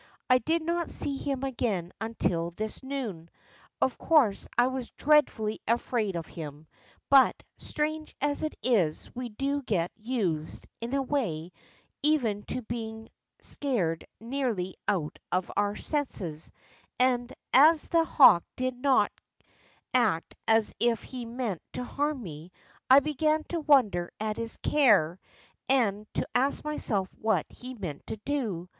I did not see him again until this noon. Of course, I was dreadfully afraid of him, but, strange as it is, we do get used, in a way, even to being scared nearly out of our senses, and, as the hawk did not act as if he meant to harm me, I began to wonder at his care, and to ask myself what he meant to do.